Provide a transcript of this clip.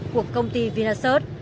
của công ty vinasert